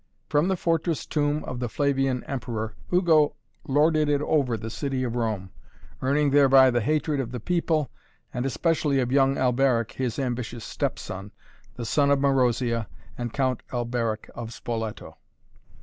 From the fortress tomb of the Flavian Emperor, Ugo lorded it over the city of Rome, earning thereby the hatred of the people and especially of young Alberic, his ambitious step son, the son of Marozia and Count Alberic of Spoleto.